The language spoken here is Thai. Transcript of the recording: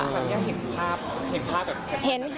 ธัญญาเห็นภาพเห็นภาพแบบ